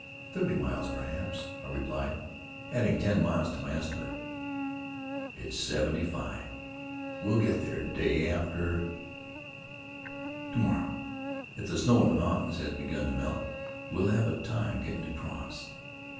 "Thirty miles, perhaps," I replied, adding ten miles to my estimate. "It's seventy five. We'll get there day after to morrow. If the snow in the mountains has begun to melt, we'll have a time getting across."